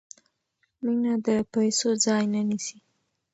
مینه د پیسو ځای نه نیسي.